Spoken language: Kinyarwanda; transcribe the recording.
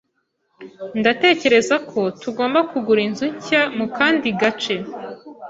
Ndatekereza ko tugomba kugura inzu nshya mu kandi gace.